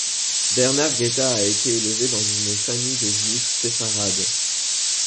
Bernard Guetta a été élevé dans une famille de Juifs sépharades.